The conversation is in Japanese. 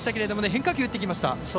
変化球を打っていきました。